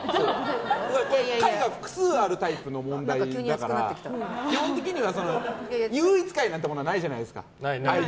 解が複数あるタイプの問題だから基本的には、唯一解なんてものはないじゃないですか。